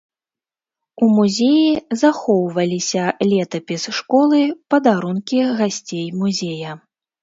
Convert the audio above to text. У музеі захоўваліся летапіс школы, падарункі гасцей музея.